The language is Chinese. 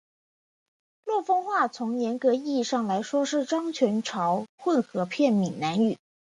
陆丰话从严格意义上来说是漳泉潮混合片闽南语。